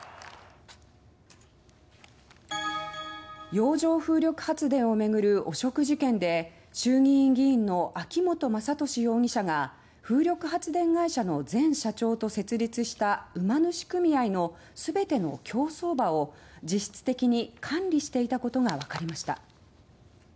洋上風力発電を巡る汚職事件で衆議院議員の秋本真利容疑者が風力発電会社の前社長と設立した馬主組合の全ての競走馬を実質的に管理していたことがわかりました。